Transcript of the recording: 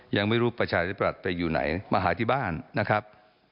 ยังไม่รู้ประชาธิปัตย์ไปอยู่ไหนมาหาที่บ้านนะครับ